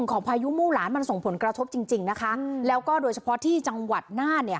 พายุมู่หลานมันส่งผลกระทบจริงจริงนะคะแล้วก็โดยเฉพาะที่จังหวัดน่านเนี่ย